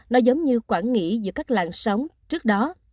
nó giống như quảng nghỉ giữa các làn sóng trước đó